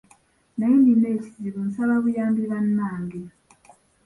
"Naye nnina ekizibu, nsaba buyambi bannange."